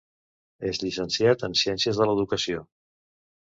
Era llicenciat en Ciències de l'educació.